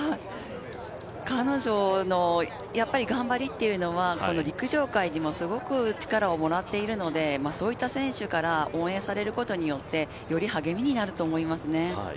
彼女の頑張りっていうのは陸上界にもすごく力をもらっているのでそういった選手から応援されることによってより励みになると思いますね。